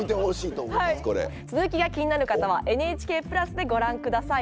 続きが気になる方はＮＨＫ＋でご覧下さい。